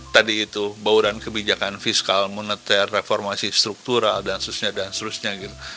tadi itu bauran kebijakan fiskal moneter reformasi struktural dan seterusnya gitu